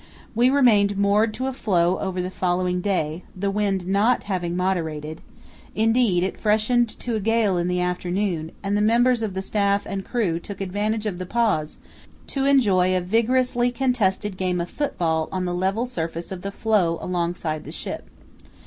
We remained moored to a floe over the following day, the wind not having moderated; indeed, it freshened to a gale in the afternoon, and the members of the staff and crew took advantage of the pause to enjoy a vigorously contested game of football on the level surface of the floe alongside the ship.